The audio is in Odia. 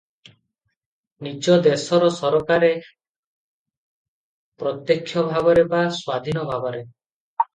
ନିଜ ଦେଶର ସରକାରରେ ପ୍ରତ୍ୟକ୍ଷ ଭାବରେ ବା ସ୍ୱାଧୀନ ଭାବରେ ।